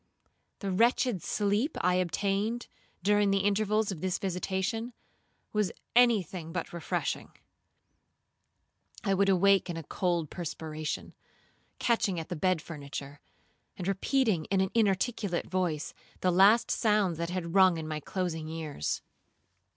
The wretched sleep I obtained, during the intervals of this visitation, was any thing but refreshing. I would awake in a cold perspiration, catching at the bed furniture, and repeating in an inarticulate voice, the last sounds that had rung in my closing ears.